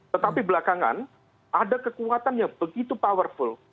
tetapi belakangan ada kekuatan yang begitu powerful